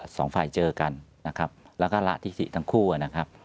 สองฝ่ายเจอกันนะครับแล้วก็ละที่สี่ทั้งคู่นะครับ